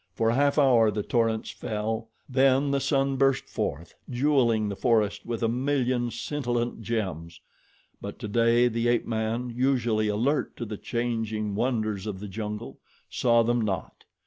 For a half hour the torrents fell then the sun burst forth, jeweling the forest with a million scintillant gems; but today the ape man, usually alert to the changing wonders of the jungle, saw them not.